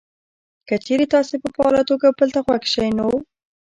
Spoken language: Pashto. که چېرې تاسې په فعاله توګه بل ته غوږ شئ نو: